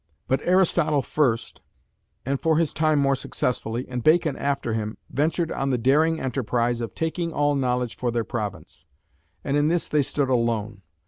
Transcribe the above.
But Aristotle first, and for his time more successfully, and Bacon after him, ventured on the daring enterprise of "taking all knowledge for their province;" and in this they stood alone.